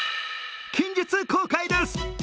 近日公開です。